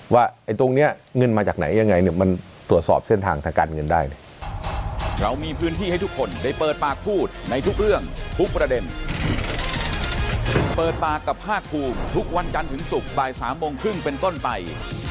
ว่าไอ้ตรงนี้เงินมาจากไหนยังไงเนี่ยมันตรวจสอบเส้นทางทางการเงินได้เนี่ย